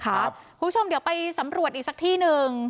คุณผู้ชมเดี๋ยวไปสำรวจอีกสักที่หนึ่ง